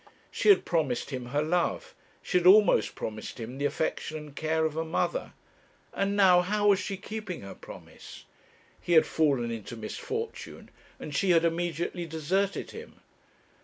She had promised him her love, she had almost promised him the affection and care of a mother; and now how was she keeping her promise? He had fallen into misfortune, and she had immediately deserted him.